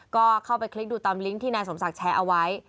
ก็เข้าไปคลิกดูตามลิงก์ที่นายสมศักดิ์แชร์เอาไว้